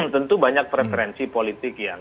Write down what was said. tentu banyak preferensi politik yang